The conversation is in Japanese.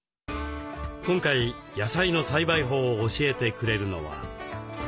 今回野菜の栽培法を教えてくれるのは。